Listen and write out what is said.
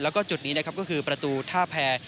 แล้วก็จุดนี้ก็คือประตูท่าแพร่